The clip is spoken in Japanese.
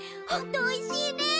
ほんとおいしいね。